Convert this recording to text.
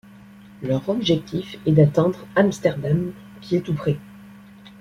Leur objectif est d’atteindre Amsterdam qui est tout près.